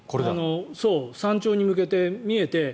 山頂に向けて見えて。